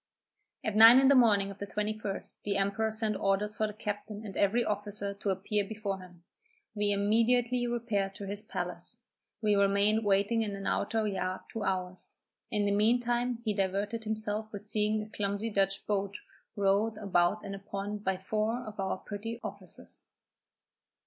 At nine in the morning of the 21st, the emperor sent orders for the captain and every officer to appear before him. We immediately repaired to his palace; we remained waiting in an outer yard two hours; in the mean time he diverted himself with seeing a clumsy Dutch boat rowed about in a pond by four of our petty officers.